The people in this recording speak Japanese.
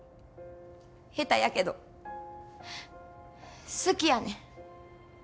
下手やけど好きやねん。